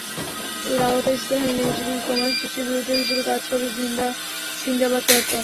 এর আওতায় ইস্পাহানি লিমিটেডের ই কমার্স ডিস্ট্রিবিউটর হিসেবে কাজ করবে সিন্দাবাদ ডটকম।